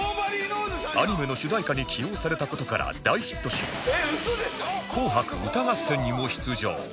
アニメの主題歌に起用された事から大ヒットし『紅白歌合戦』にも出場